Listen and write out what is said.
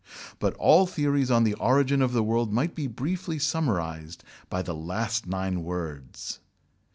But all theories on the origin of the world might be briefly summarized by the last nine words!